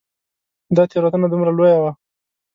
دا تېروتنه دومره لویه وه.